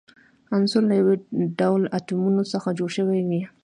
عنصر له یو ډول اتومونو څخه جوړ شوی وي.